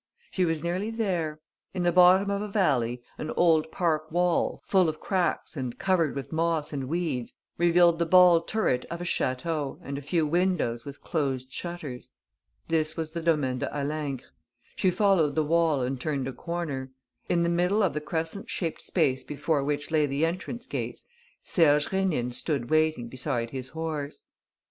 She was nearly there. In the bottom of a valley, an old park wall, full of cracks and covered with moss and weeds, revealed the ball turret of a château and a few windows with closed shutters. This was the Domaine de Halingre. She followed the wall and turned a corner. In the middle of the crescent shaped space before which lay the entrance gates, Serge Rénine stood waiting beside his horse.